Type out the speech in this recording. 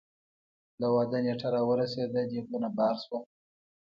د واده نېټه را ورسېده ديګونه بار شول.